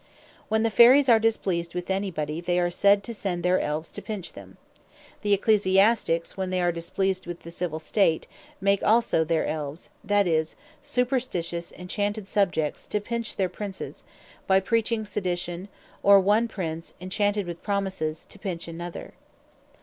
When the Fairies are displeased with any body, they are said to send their Elves, to pinch them. The Ecclesiastiques, when they are displeased with any Civill State, make also their Elves, that is, Superstitious, Enchanted Subjects, to pinch their Princes, by preaching Sedition; or one Prince enchanted with promises, to pinch another.